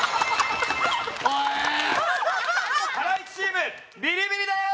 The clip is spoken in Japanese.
ハライチチームビリビリです！